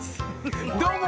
どうも！